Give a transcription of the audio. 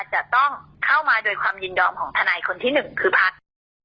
จะต้องเข้ามาโดยความยินยอมของทนายคนที่๑คือพัก